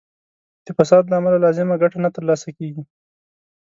د فساد له امله لازمه ګټه نه تر لاسه کیږي.